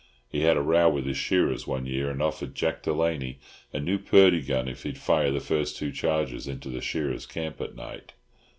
He had a row with his shearers one year, and offered Jack Delaney a new Purdey gun if he'd fire the first two charges into the shearers' camp at night."